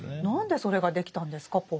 何でそれができたんですか？